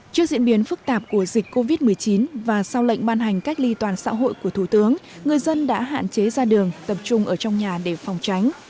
trước diễn biến phức tạp của dịch covid một mươi chín và sau lệnh ban hành cách ly toàn xã hội của thủ tướng người dân đã hạn chế ra đường tập trung ở trong nhà để phòng tránh